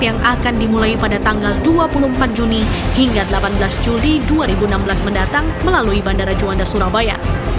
yang akan dimulai pada tanggal dua puluh empat juni hingga delapan belas juli dua ribu enam belas mendatang melalui bandara juanda surabaya